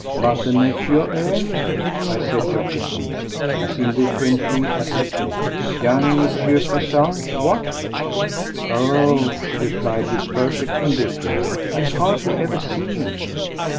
"But the nephew, eh?" I said as jocosely, as indifferently as I could. "Young M. Cazalès? What?" "Oh!" she replied with perfect indifference. "I hardly ever see him."